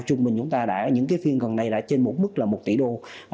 trong mình những phiên gần này đã trên mức một tỷ đô